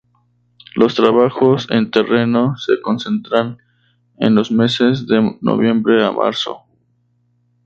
Los trabajos en terreno se concentran en los meses de noviembre a marzo.